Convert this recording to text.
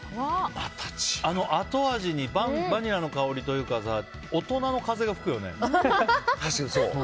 後味にバニラの香りというか大人の風が吹くよね。